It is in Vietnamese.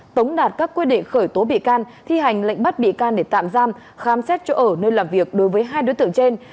tống đạt các quyết định khởi tố bị can thi hành lệnh bắt bị can để tạm giam khám xét chỗ ở nơi làm việc đối với hai đối tượng trên